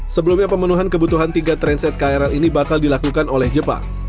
sebelumnya pemenuhan kebutuhan tiga transit krl ini bakal dilakukan oleh jepang